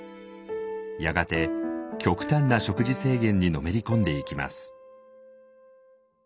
やがて極端な食事制限にのめり込んでいきます。